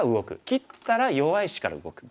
切ったら弱い石から動く。